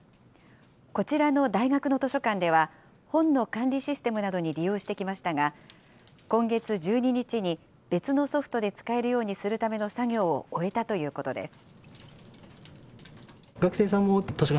こちらの大学の図書館では、本の管理システムなどに利用してきましたが、今月１２日に、別のソフトで使えるようにするための作業を終えたということです。